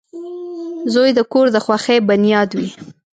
• زوی د کور د خوښۍ بنیاد وي.